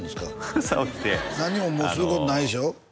朝起きて何ももうすることないでしょ？